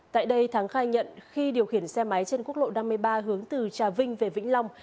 tại đây thắng khai nhận khi điều khiển xe máy trên quốc lộ năm mươi ba hướng từ trà vinh về vĩnh long